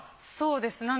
そうです。